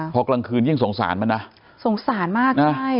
พอกลางคืนยิ่งสงสารมันนะสงสารมากนะใช่